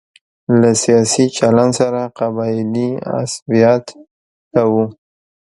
له سیاسي چلن سره قبایلي عصبیت کوو.